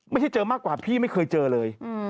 เจอมากกว่าพี่ไม่เคยเจอเลย